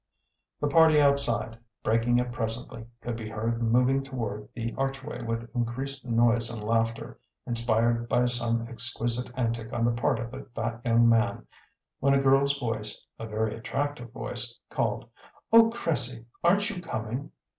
The party outside, breaking up presently, could be heard moving toward the archway with increased noise and laughter, inspired by some exquisite antic on the part of the fat young man, when a girl's voice (a very attractive voice) called, "Oh, Cressie, aren't you coming?"